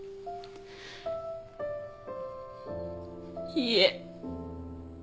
いいえ。